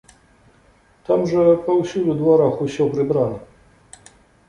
Там жа паўсюль у дварах усё прыбрана.